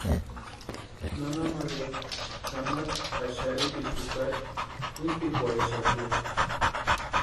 Nana male kamata ka xarhipiti jukari intsipikwarhexati.